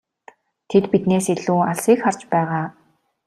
Тэд биднээс илүү алсыг харж байгаа.